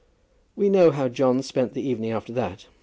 We know how John passed his evening after that.